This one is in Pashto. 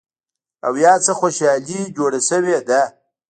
او يا څه خوشحالي جوړه شوې ده